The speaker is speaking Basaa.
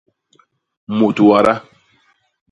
Mut wada.